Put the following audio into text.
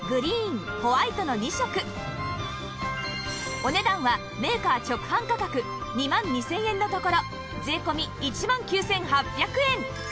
お値段はメーカー直販価格２万２０００円のところ税込１万９８００円